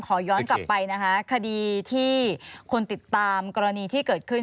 ขอย้อนกลับไปนะคะคดีที่คนติดตามกรณีที่เกิดขึ้น